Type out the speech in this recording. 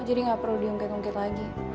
jadi gak perlu diungkit ungkit lagi